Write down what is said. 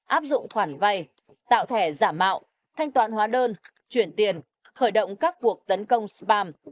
áp dụng khoản vay tạo thẻ giả mạo thanh toán hóa đơn chuyển tiền khởi động các cuộc tấn công spam